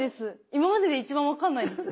今までで一番分かんないです。